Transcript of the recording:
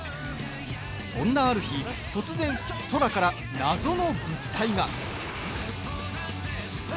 そんなある日突然空から謎の物体が。